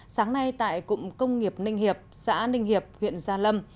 sáng nay tại cụng công nghiệp ninh hiệp xã ninh hiệp huyện gia lâm